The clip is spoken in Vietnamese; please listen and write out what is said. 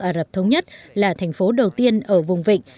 ả rập thống nhất là thành phố đầu tiên ở vùng vịnh